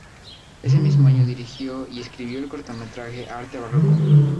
Ese mismo año dirigió y escribió el cortometraje Arte Barroco.